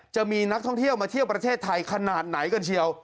จะมีนักท่องเที่ยวมาเที่ยวประเทศไทยขนาดไหนกันเชียว